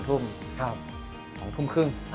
๒ทุ่มครึ่ง